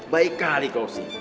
baik kali kau sih